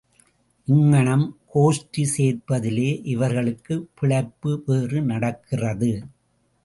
இங்ஙனம் கோஷ்டி சேர்ப்பதிலே இவர்களுக்குப் பிழைப்பு வேறு நடக்கிறது!